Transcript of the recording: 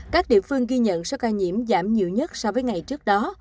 các địa phương ghi nhận số ca nhiễm giảm nhiều nhất so với ngày trước đó